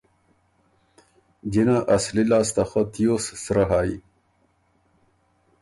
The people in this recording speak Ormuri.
جِنه اصلی لاسته خه تیوس سرۀ هئ۔